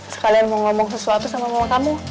sekalian mau ngomong sesuatu sama mama kamu